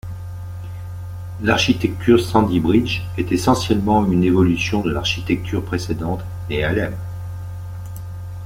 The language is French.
L'architecture Sandy Bridge est essentiellement une évolution de l'architecture précédente, Nehalem.